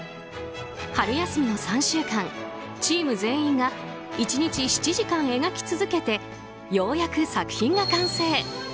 春休みの３週間、チーム全員が１日７時間描き続けてようやく作品が完成。